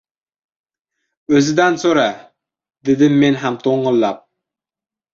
— O‘zidan so‘ra! — dedim men ham to‘ng‘illab.